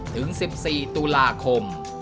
ถึง๑๔ตุลาคม